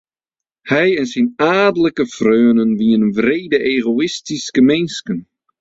Hy en syn aadlike freonen wiene wrede egoïstyske minsken.